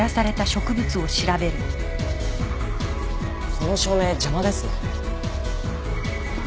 この照明邪魔ですね。